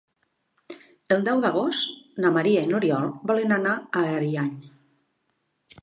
El deu d'agost na Maria i n'Oriol volen anar a Ariany.